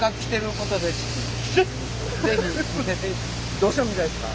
どうしても見たいですか？